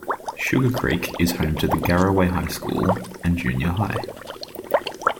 Sugarcreek is home to the Garaway High School and Junior High.